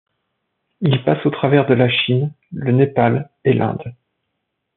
Il passe au travers de la Chine, le Népal, et l'Inde.